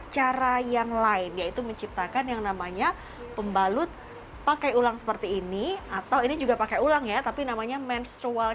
jadi kalau mau dipakai harus ditekuk seperti ini sampai kecil